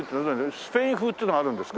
スペイン風っていうのがあるんですか？